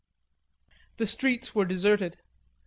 The streets were deserted.